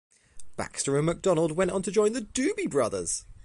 Baxter and McDonald went on to join The Doobie Brothers.